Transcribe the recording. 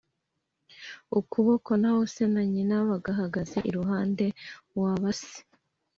ukuboko naho se na nyina bagahagaze iruhande Waba se